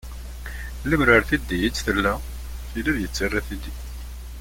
Lemmer ar tiddi i tt-tella, tili ad yettarra tili.